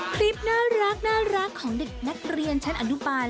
คลิปน่ารักของเด็กนักเรียนชั้นอนุบาล